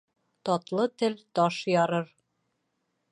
Татлы тел таш ярыр.